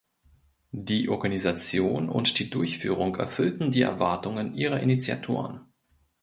Die Organisation und die Durchführung erfüllten die Erwartungen ihrer Initiatoren.